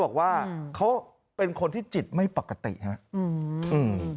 บอกว่าเขาเป็นคนที่จิตไม่ปกติครับ